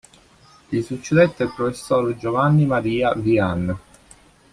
Gli succedette il professor Giovanni Maria Vian.